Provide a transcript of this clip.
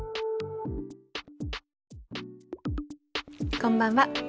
こんばんは。